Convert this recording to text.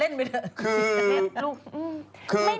ที่ยั่งยืนในการจัดการกับพฤติกรรมของเด็กนะครับ